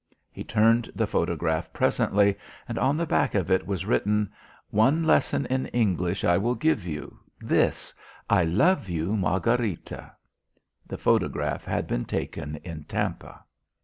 He turned the photograph presently, and on the back of it was written: "One lesson in English I will give you this: I love you, Margharita." The photograph had been taken in Tampa.